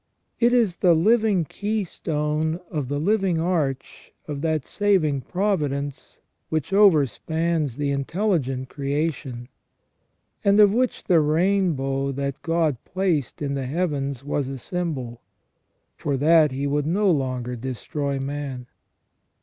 It is the living key stone of the living arch of that saving providence which overspans the intelligent creation ; and of which the rainbow that God placed in the heavens was a symbol, for that He would no longer destroy man.